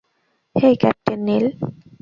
হেই, captain নিল।